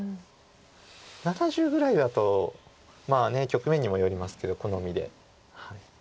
７０ぐらいだとまあ局面にもよりますけど好みで。